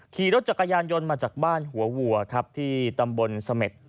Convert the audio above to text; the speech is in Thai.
ขี่รถจักรยานยนต์มาจากบ้านหัววัวครับที่ตำบลเสม็ด